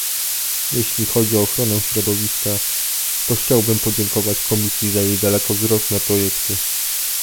Jeśli chodzi o ochronę środowiska, to chciałbym podziękować Komisji za jej dalekowzroczne projekty